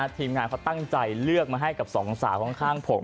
ทีมงานเขาตั้งใจเลือกมาให้กับสองสาวข้างผม